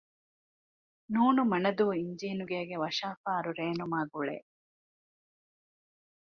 ނ.މަނަދޫ އިންޖީނުގޭގެ ވަށާފާރު ރޭނުމާގުޅޭ